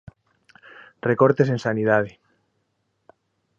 Recortes en Sanidade.